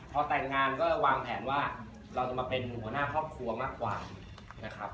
พอแต่งงานก็วางแผนว่าเราจะมาเป็นหัวหน้าครอบครัวมากกว่านะครับ